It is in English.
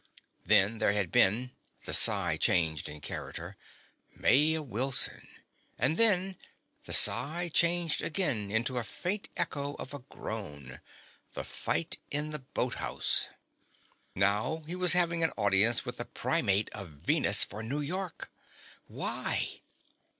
Then there had been (the sigh changed in character) Maya Wilson. And then (the sigh changed again, into a faint echo of a groan) the fight in the Boat House. Now he was having an audience with the Primate of Venus for New York. Why?